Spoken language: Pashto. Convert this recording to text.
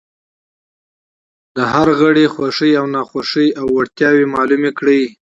د هر غړي خوښې، ناخوښې او وړتیاوې معلومې کړئ.